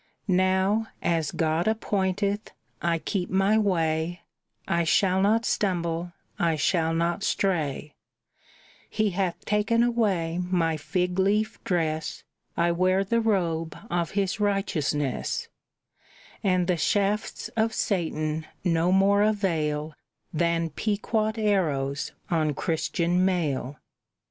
"Now, as God appointeth, I keep my way, I shall not stumble, I shall not stray; He hath taken away my fig leaf dress, I wear the robe of His righteousness; And the shafts of Satan no more avail Than Pequot arrows on Christian mail."